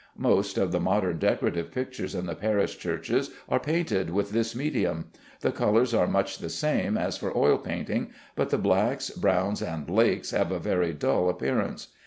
Most of the modern decorative pictures in the Paris churches are painted with this medium. The colors are much the same as for oil painting, but the blacks, browns, and lakes have a very dull appearance.